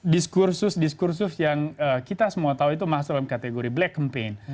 diskursus diskursus yang kita semua tahu itu masuk dalam kategori black campaign